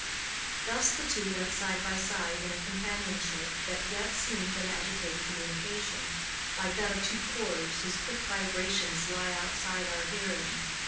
Thus the two went side by side in a companionship that yet seemed an agitated communication, like that of two chords whose quick vibrations lie outside our hearing.